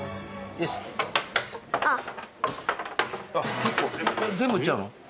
うわっ結構全部いっちゃうの？